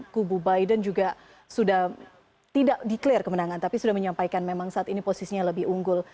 kubu biden juga sudah tidak declare kemenangan tapi sudah menyampaikan memang saat ini posisinya lebih unggul